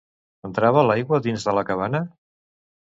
Entrava l'aigua dins de la cabana?